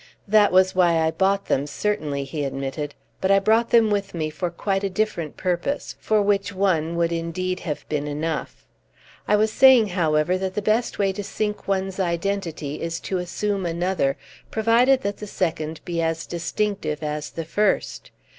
"That was why I bought them, certainly," he admitted. "But I brought them with me for quite a different purpose, for which one would indeed have been enough. I was saying, however, that the best way to sink one's identity is to assume another, provided that the second be as distinctive as the first.